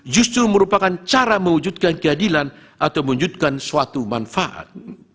justru merupakan cara mewujudkan keadilan atau mewujudkan suatu manfaat